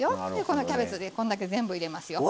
このキャベツでこんだけ全部入れますよ。